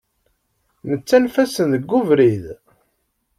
Nettanef-asen deg ubrid.